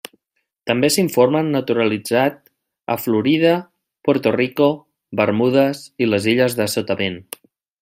També s'informa naturalitzat a Florida, Puerto Rico, Bermudes i les Illes de Sotavent.